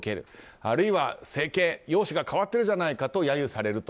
あるいは整形容姿が変わっているじゃないかと揶揄されると。